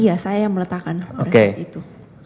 iya saya yang meletakkan pada saat itu